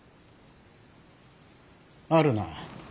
あるな。